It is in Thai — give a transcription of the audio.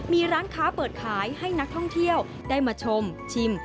มีร้านค้าเปิดขายให้นักท่องเที่ยวได้มาชมชิม